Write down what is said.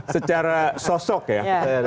secara sosok ya